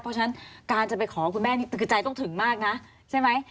เพราะฉะนั้นการจะไปขอคุณแม่นี่คือใจต้องถึงมากนะใช่ไหม